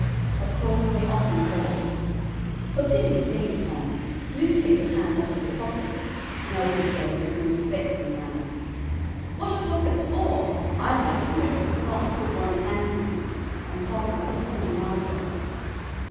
Of course, they often quarreled: "For pity sake, Tom, do take your hands out of your pockets," Nell would say in her most vexing manner. "What are pockets for? I'd like to know, if not to put one's hands in," and Tom would whistle and march off.